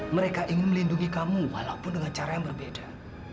mereka ingin melindungi kamu walaupun dengan cara yang berbeda